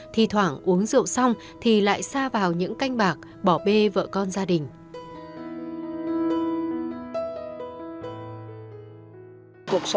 thi thoảng uống rượu xong thì lại xa vào những canh bạc bỏ bê vợ con gia đình